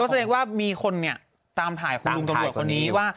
แสดงว่ามีคนเนี่ยตามถ่ายของลุงตำรวจคนนี้ว่า